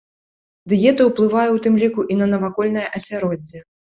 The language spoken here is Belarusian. Дыета ўплывае ў тым ліку і на навакольнае асяроддзе.